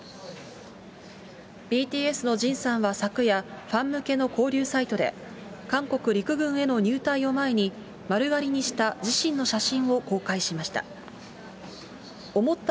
ＢＴＳのジンさんは昨夜、ファン向けの交流サイトで、韓国陸軍への入隊を前に、丸刈りにした自身の写真を公開しました。